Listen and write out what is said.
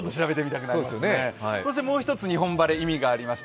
もう一つ、日本晴れ、意味があります。